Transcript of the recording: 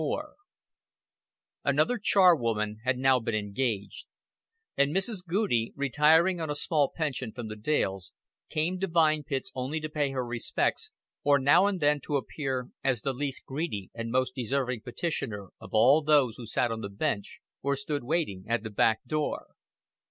XXIV Another charwoman had now been engaged; and Mrs. Goudie, retiring on a small pension from the Dales, came to Vine Pits only to pay her respects or now and then to appear as the least greedy and most deserving petitioner of all those who sat on the bench or stood waiting at the back door.